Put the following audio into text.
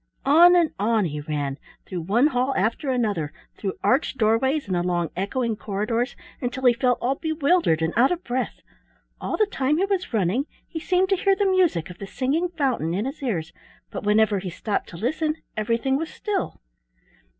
On and on he ran, through one hall after another, through arched doorways, and along echoing corridors, until he felt all bewildered and out of breath. All the time he was running he seemed to hear the music of the singing fountain in his ears, but whenever he stopped to listen everything was still.